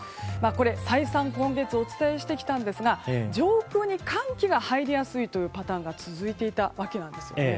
再三、今月お伝えしてきたんですが上空に寒気が入りやすいというパターンが続いていたわけなんです。